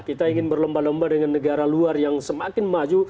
kita ingin berlomba lomba dengan negara luar yang semakin maju